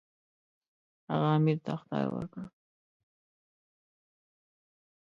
هغه امیر ته اخطار ورکړ.